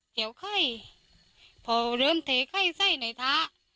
เดี๋ยวค่อยพอเริ่มเทไข้ไส้ในท้า